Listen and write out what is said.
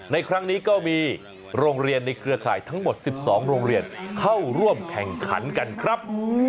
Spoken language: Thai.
ในครั้งนี้ก็มีโรงเรียนในเครือข่ายทั้งหมด๑๒โรงเรียนเข้าร่วมแข่งขันกันครับ